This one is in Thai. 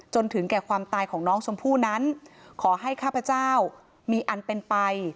จนถึงแก่ความตายของน้องชมพู่นั้นขอให้ข้าพเจ้ามีอันเป็นไป